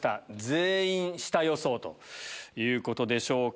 全員下予想ということでしょうか。